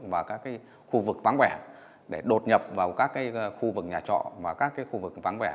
và các cái khu vực vắng vẻ để đột nhập vào các cái khu vực nhà trọ và các cái khu vực vắng vẻ